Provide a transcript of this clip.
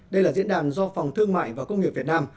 đây là diễn đàn do phòng thương mại và công nghiệp việt nam